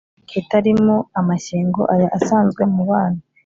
Kitarimo amashyengo Aya asanzwe mu bana.